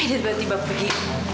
dia tiba tiba pergi